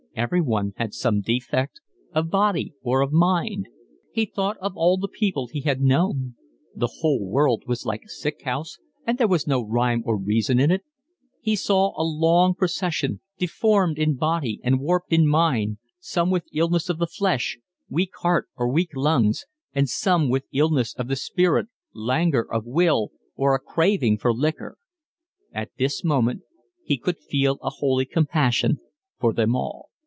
Everyone had some defect, of body or of mind: he thought of all the people he had known (the whole world was like a sick house, and there was no rhyme or reason in it), he saw a long procession, deformed in body and warped in mind, some with illness of the flesh, weak hearts or weak lungs, and some with illness of the spirit, languor of will, or a craving for liquor. At this moment he could feel a holy compassion for them all.